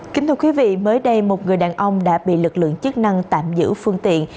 kính thưa quý vị mới đây một người đàn ông đã bị lực lượng chức năng tạm giữ phương tiện